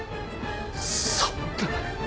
そんな。